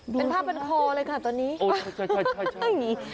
เป็นภาพเป็นคอเลยค่ะตอนนี้โอ้ใช่ใช่